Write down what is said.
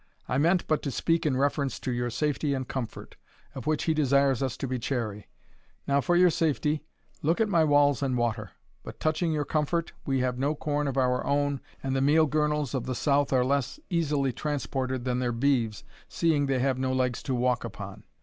I meant but to speak in reference to your safety and comfort, of which he desires us to be chary. Now, for your safety, look at my walls and water. But touching your comfort, we have no corn of our own, and the meal girnels of the south are less easily transported than their beeves, seeing they have no legs to walk upon.